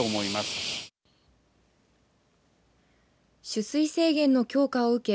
取水制限の強化を受け